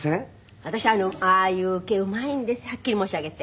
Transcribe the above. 私ああいう系うまいんですはっきり申し上げて。